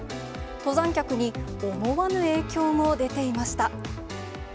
登山客に思わぬ影響も出ていました。